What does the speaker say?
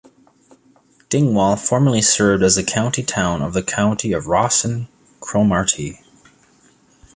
Dingwall formerly served as the county town of the county of Ross and Cromarty.